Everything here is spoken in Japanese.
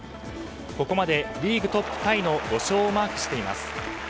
ここまでリーグトップタイの５勝をマークしています。